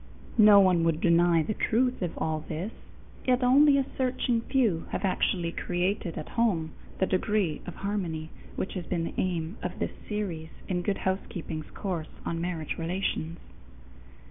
No one would deny the truth of all this, yet only a searching few have actually created at home the degree of harmony which has been the aim of this series in Good Housekeeping's course on marriage relations.